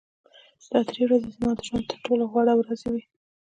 دا درې ورځې زما د ژوند تر ټولو غوره ورځې وې